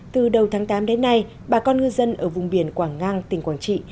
từ đầu tháng tám đến nay bà con ngư dân ở vùng biển quảng ngang tỉnh quảng trị